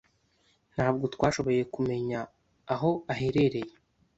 Ntabwo twashoboye kumenya aho aherereye.